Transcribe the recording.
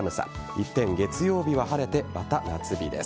一転月曜日は晴れてまた夏日です。